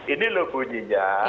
ini loh bunyinya